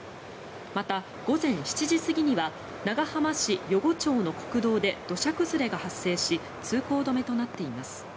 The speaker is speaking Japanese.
また、午前７時過ぎには長浜市余呉町の国道で土砂崩れが発生し通行止めとなっています。